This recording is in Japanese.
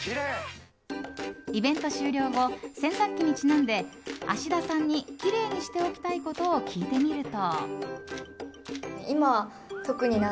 イベント終了後洗濯機にちなんで芦田さんにきれいにしておきたいことを聞いてみると。